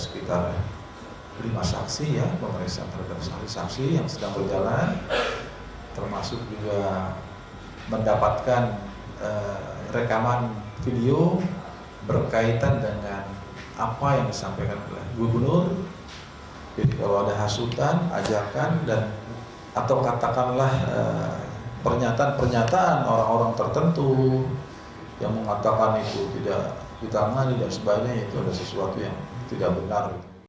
pernyataan pernyataan orang orang tertentu yang mengatakan itu tidak hitam dan tidak sebagainya itu adalah sesuatu yang tidak benar